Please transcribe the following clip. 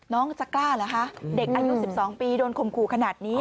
น้องจะกล้าเหรอคะเด็กอายุ๑๒ปีโดนข่มขู่ขนาดนี้